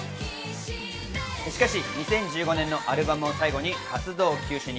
しかし、２０１５年のアルバムを最後に活動休止に。